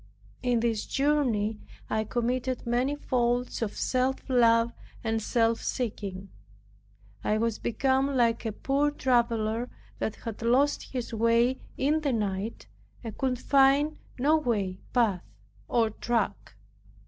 In this journey I committed many faults of self love and self seeking. I was become like a poor traveler that had lost his way in the night and could find no way, path, or track.